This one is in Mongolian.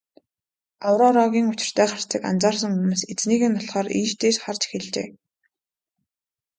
Аврорагийн учиртай харцыг анзаарсан хүмүүс эзнийг нь олохоор ийш тийш харж эхэлжээ.